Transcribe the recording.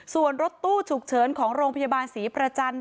ส่วนรถตู้ฉุกเฉินของโรงพยาบาลศรีประจันทร์